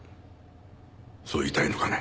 そう言いたいのかね？